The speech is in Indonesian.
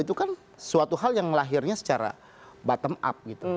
itu kan suatu hal yang lahirnya secara bottom up gitu